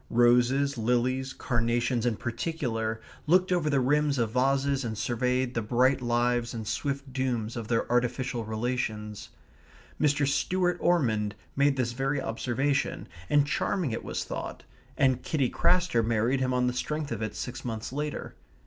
Roses, lilies, carnations in particular, looked over the rims of vases and surveyed the bright lives and swift dooms of their artificial relations. Mr. Stuart Ormond made this very observation; and charming it was thought; and Kitty Craster married him on the strength of it six months later.